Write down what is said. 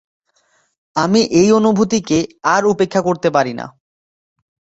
আমি এই অনুভূতিকে আর উপেক্ষা করতে পারি না।